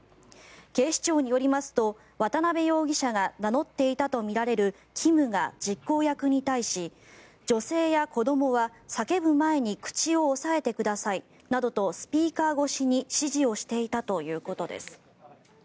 警視庁によりますと渡邉容疑者が名乗っていたとみられるキムが実行役に対し女性や子どもは叫ぶ前に口を押さえてくださいなどとスピーカー越しに指示をしていたということです。